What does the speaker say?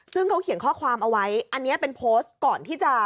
ซึ่งเขาเขียนข้อความเอาไว้อันนี้เป็นโพสต์ก่อนที่จะ